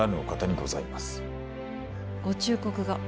ご忠告が。